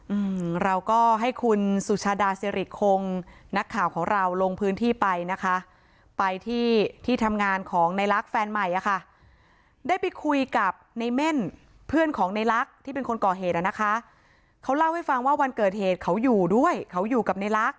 อืมเราก็ให้คุณสุชาดาสิริคงนักข่าวของเราลงพื้นที่ไปนะคะไปที่ที่ทำงานของในลักษณ์แฟนใหม่อ่ะค่ะได้ไปคุยกับในเม่นเพื่อนของในลักษณ์ที่เป็นคนก่อเหตุอ่ะนะคะเขาเล่าให้ฟังว่าวันเกิดเหตุเขาอยู่ด้วยเขาอยู่กับในลักษ